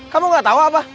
kamu gak tahu apa